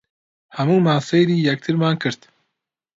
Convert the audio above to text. هەموومان سەیری یەکترمان کرد.